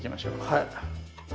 はい。